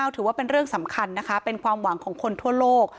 ถือว่าเป็นเรื่องสำคัญนะคะเป็นความหวังของคนทั่วโลก